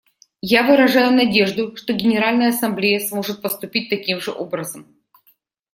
Я выражаю надежду, что Генеральная Ассамблея сможет поступить таким же образом.